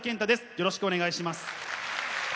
よろしくお願いします。